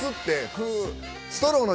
ストローの。